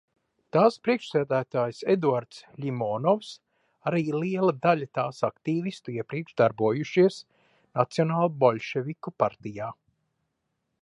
Tās priekšsēdētājs Eduards Ļimonovs, arī liela daļa tās aktīvistu iepriekš darbojušies Nacionālboļševiku partijā.